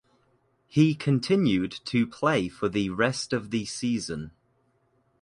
He continued to play for the rest of the season.